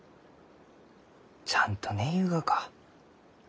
ちゃんと寝ゆうがか？